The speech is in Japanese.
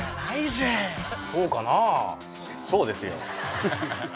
そうですよ。